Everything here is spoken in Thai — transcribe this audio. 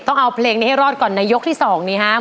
ต้องเอาเพลงนี้ให้รอดก่อนในยกที่๒นี้ครับ